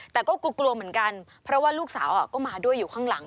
แต่ก็กลัวเหมือนกันเพราะว่าลูกสาวก็มาด้วยอยู่ข้างหลัง